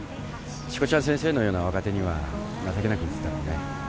しこちゃん先生のような若手には情けなく映ったろうね。